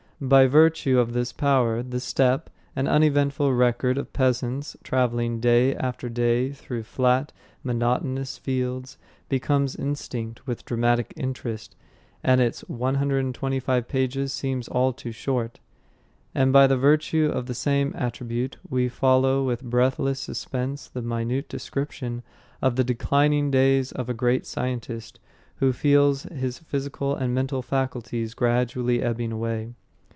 By virtue of this power The Steppe, an uneventful record of peasants travelling day after day through flat, monotonous fields, becomes instinct with dramatic interest, and its 125 pages seem all too short. And by virtue of the same attribute we follow with breathless suspense the minute description of the declining days of a great scientist, who feels his physical and mental faculties gradually ebbing away.